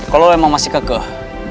kalo lo emang masih kekeuh